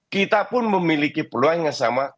kita pun memiliki peluang yang sama